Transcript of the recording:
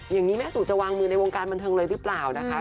อย่างนี้แม่สู่จะวางมือในวงการบันเทิงเลยหรือเปล่านะคะ